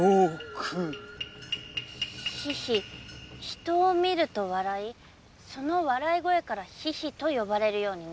人を見ると笑いその笑い声から狒々と呼ばれるようになった」